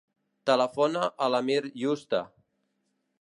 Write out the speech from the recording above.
Telefona a l'Amir Yusta.